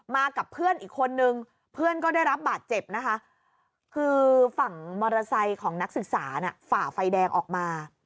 กับเพื่อนอีกคนนึงเพื่อนก็ได้รับบาดเจ็บนะคะคือฝั่งมอเตอร์ไซค์ของนักศึกษาน่ะฝ่าไฟแดงออกมา